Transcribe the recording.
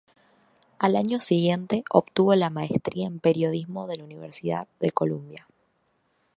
Al año siguiente obtuvo la maestría en Periodismo de la Universidad de Columbia.